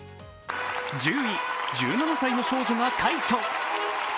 １０位、１７歳の少女が快挙。